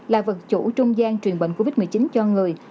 là vật chủ trung gian truyền bệnh covid một mươi chín cho người